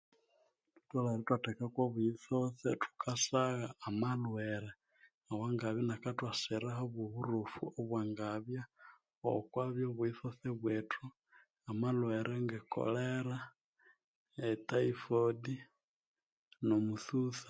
Thutholere ithwathekako obuyitsotse ithukasagha amalhwere awangabya inakathwasira ahabwa oburofu obwangabya okwa byo'obuyitsotse bwethu amalhwere nge kolera, e taifodi, no mutsutsa.